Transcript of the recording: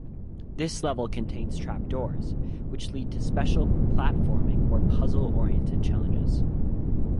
The levels contain trapdoors, which lead to special platforming or puzzle-oriented challenges.